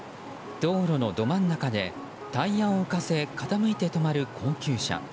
道路のど真ん中でタイヤを浮かせ傾いて止まる高級車。